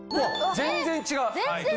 全然違う！